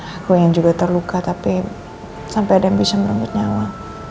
aku ingin juga terluka tapi sampai ada yang bisa merenggut nyawa